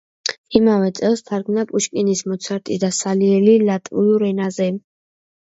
იმავე წელს თარგმნა პუშკინის „მოცარტი და სალიერი“ ლატვიურ ენაზე.